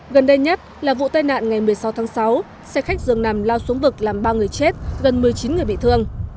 gần đây nhất là vụ tai nạn ngày một mươi sáu tháng sáu xe khách dường nằm lao xuống vực làm ba người chết gần một mươi chín người bị thương